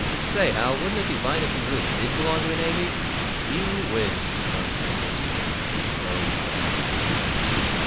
Say, Hal, wouldn't it be fine if we really did belong to the Navy?" "Gee whiz!" murmured young Hastings, his cheeks glowing and his eyes snapping.